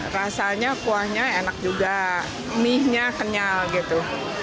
rasanya kuahnya enak juga mie nya kenyal gitu